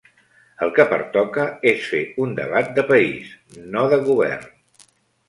El que pertoca és fer un debat de país, no de govern.